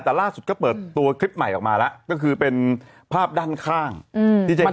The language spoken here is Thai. แต่ล่าสุดก็เปิดตัวคลิปใหม่ออกมาแล้วก็คือเป็นภาพด้านข้างที่จะเห็น